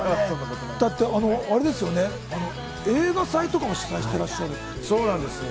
だって映画祭とか主催していらっしゃる。